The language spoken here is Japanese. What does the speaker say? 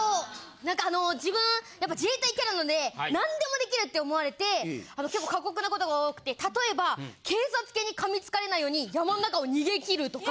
なんかあの自分やっぱ自衛隊キャラなのでなんでも出来るって思われて結構過酷なことが多くて例えば警察犬に噛みつかれないように山の中を逃げ切るとか。